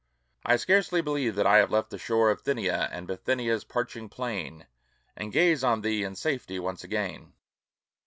I scarce believe that I have left the shore Of Thynia, and Bithynia's parching plain, And gaze on thee in safety once again!